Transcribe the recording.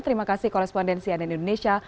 terima kasih korespondensi ann indonesia